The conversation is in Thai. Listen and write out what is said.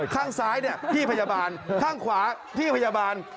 ข้างซ้ายเนี่ยพี่พยาบาลข้างขวาพี่พยาบาล